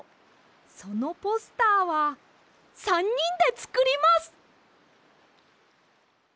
そのポスターは３にんでつくります！